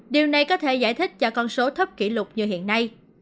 điều này có thể giải thích cho con số thấp kỷ lục như hiện nay